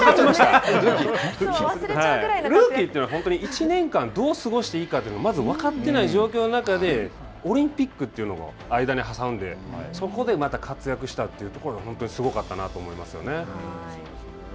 ルーキーというのは１年間どう過ごしていいかまず分かってない状況の中でオリンピックというのを間に挟んでそこで、また活躍したというところが本当にすごかったなと思いますよね。